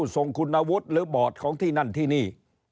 ส่งคุณวุฒิหรือบอร์ดของที่นั่นที่นี่